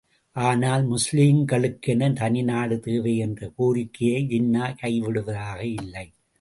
ஆனால், முஸ்லீம்களுக்கென தனிநாடு தேவை என்ற கோரிக்கையை ஜின்னா கைவிடுவதாக இல்லை.